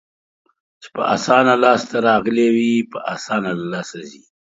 چې په اسانه لاس ته راغلي وي، په اسانه له لاسه ځي.